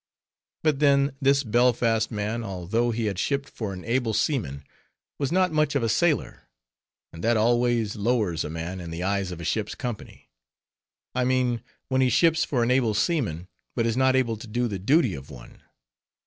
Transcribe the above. But then, this Belfast man, although he had shipped for an able seaman, was not much of a sailor; and that always lowers a man in the eyes of a ship's company; I mean, when he ships for an able seaman, but is not able to do the duty of one.